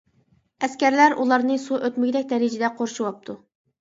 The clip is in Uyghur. ئەسكەرلەر ئۇلارنى سۇ ئۆتمىگۈدەك دەرىجىدە قورشىۋاپتۇ.